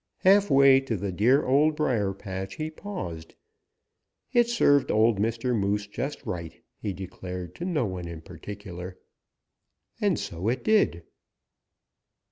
Half way to the dear Old Briar patch he paused. "It served old Mr. Moose just right!" he declared to no one in particular. And so it did.